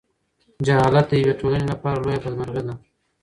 جهالت د یوې ټولنې لپاره لویه بدمرغي ده.